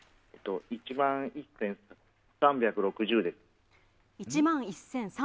１万１３６０です。